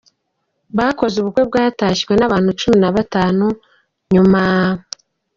bakoze ubukwe bwatashywe n’abantu cumi nabatanu nyuma